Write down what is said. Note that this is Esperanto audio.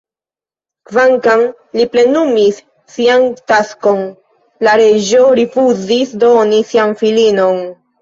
Kvankam li plenumis sian taskon, la reĝo rifuzis doni sian filinon.